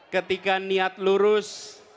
ketika niat lurus